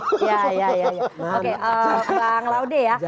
oke bang laude ya